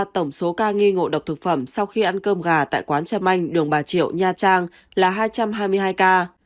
tổng số ca nghi ngộ độc thực phẩm sau khi ăn cơm gà tại quán trâm anh đường bà triệu nha trang là hai trăm hai mươi hai ca